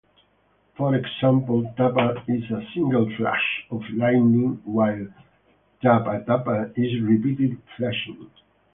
For example, "tapa" is a single flash of lightning, while "tapatapa" is repeated flashing.